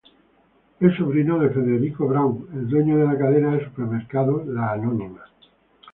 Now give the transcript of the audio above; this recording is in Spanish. Es sobrino de Federico Braun, el dueño de la cadena de supermercados La Anónima.